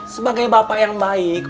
sebagai bapak yang baik